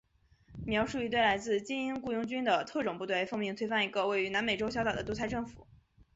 描述一队来自精英雇佣军的特种部队奉命推翻一个位于南美洲小岛的独裁政府。